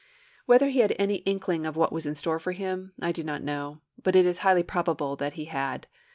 Whether he had any inkling of what was in store for him, I do not know, but it is highly probable that he had.